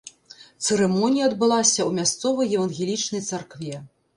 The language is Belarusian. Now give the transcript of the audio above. Цырымонія адбылася ў мясцовай евангелічнай царкве.